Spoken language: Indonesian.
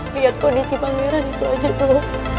lihat kondisi pangeran itu aja tuh